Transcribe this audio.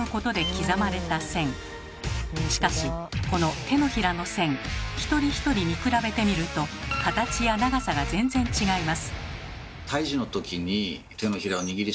しかしこの手のひらの線一人一人見比べてみると形や長さが全然違います。